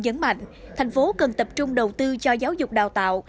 nhấn mạnh thành phố cần tập trung đầu tư cho giáo dục đào tạo